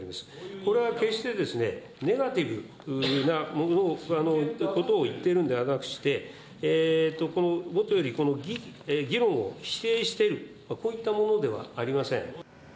これは決してネガティブなことを言っているんではなくして、もとより議論を否定している、こういったものではありません。